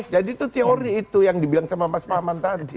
itu teori itu yang dibilang sama mas fahman tadi